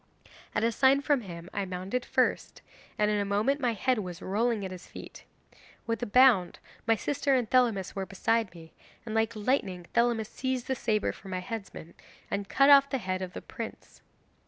At a sign from him I mounted first, and in a moment my head was rolling at his feet. With a bound my sister and Thelamis were beside me, and like lightning Thelamis seized the sabre from the headsman, and cut off the head of the prince.